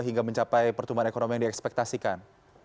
hingga mencapai pertumbuhan ekonomi yang diekspektasikan